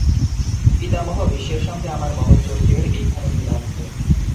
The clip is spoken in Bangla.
পিতামহ ভীষ্মের সঙ্গে আমার মহৎ চরিত্রের এইখানে মিল আছে।